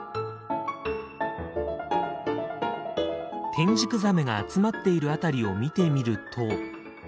テンジクザメが集まっている辺りを見てみると。